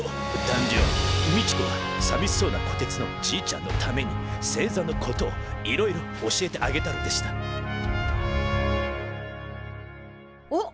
みちこはさみしそうなこてつのじいちゃんのために星座のことをいろいろ教えてあげたのでしたあっ！